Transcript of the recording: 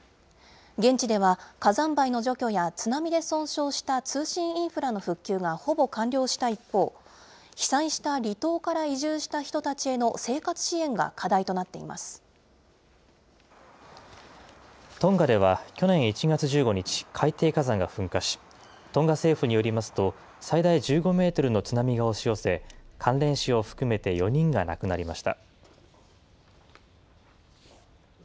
現地では、火山灰の除去や、津波で損傷した通信インフラの復旧がほぼ完了した一方、被災した離島から移住した人たちへの生活支援が課題となっていまトンガでは去年１月１５日、海底火山が噴火し、トンガ政府によりますと、最大１５メートルの津波が押し寄せ、関連死を含めて４人が亡くなりました。